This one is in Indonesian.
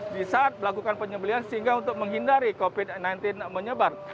di saat melakukan penyembelian sehingga untuk menghindari covid sembilan belas menyebar